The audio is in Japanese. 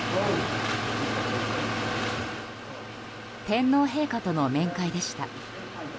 天皇陛下との面会でした。